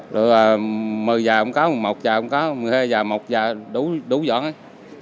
rồi là một mươi giờ cũng có một giờ cũng có một mươi hai giờ một giờ đủ dọn hết